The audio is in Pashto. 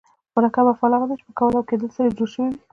مرکب افعال هغه دي، چي په کول او کېدل سره جوړ سوي یي.